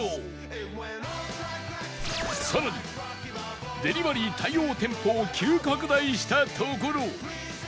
さらにデリバリー対応店舗を急拡大したところ